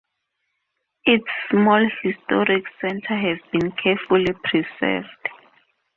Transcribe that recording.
Its small historic centre has been carefully preserved.